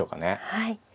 はい。